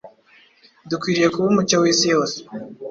Dukwiriye kuba umucyo w’isi yose,